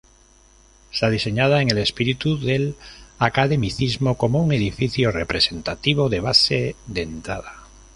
Está diseñada en el espíritu del academicismo como un edificio representativo, de base dentada.